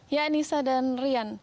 ya anissa dan rian